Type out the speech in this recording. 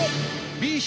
「ＢＣ」！